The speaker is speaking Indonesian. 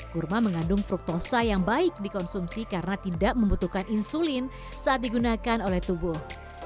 kurma mengandung fruktosa yang baik dikonsumsi karena tidak membutuhkan insulin saat digunakan oleh tubuh